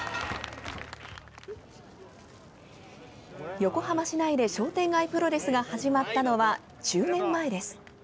横浜市内で商店街プロレスが始まったのは１０年前です。